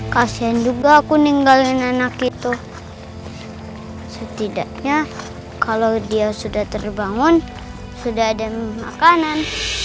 kasian juga aku ninggalin anak itu setidaknya kalau dia sudah terbangun sudah ada makanan